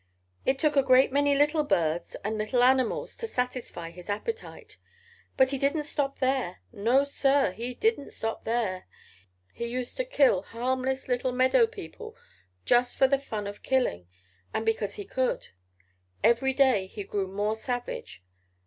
It took a great many little birds and little animals to satisfy his appetite. But he didn't stop there! No, Sir, he didn't stop there! He used to kill harmless little meadow people just for the fun of killing, and because he could. Every day he grew more savage.